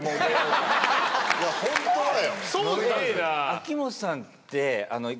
秋元さんって。